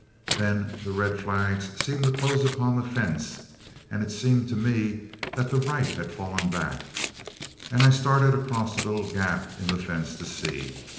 Then the red flags seemed close upon the fence, and it seemed to me that the right had fallen back; and I started across the little gap in the fence to see.